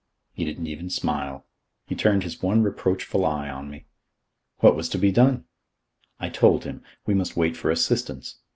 He didn't even smile. He turned his one reproachful eye on me. What was to be done? I told him. We must wait for assistance.